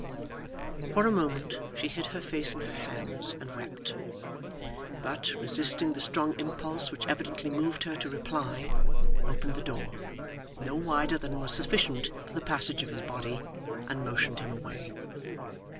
For a moment she hid her face in her hands and wept; but resisting the strong impulse which evidently moved her to reply, opened the door no wider than was sufficient for the passage of his body and motioned him away.